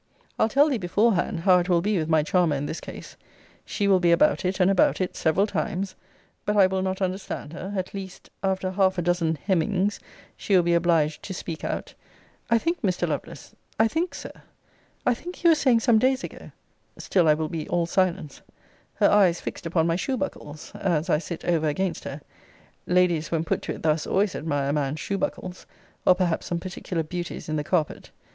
I'll tell thee beforehand, how it will be with my charmer in this case she will be about it, and about it, several times: but I will not understand her: at least, after half a dozen hem ings, she will be obliged to speak out I think, Mr. Lovelace I think, Sir I think you were saying some days ago Still I will be all silence her eyes fixed upon my shoe buckles, as I sit over against her ladies when put to it thus, always admire a man's shoe buckles, or perhaps some particular beauties in the carpet.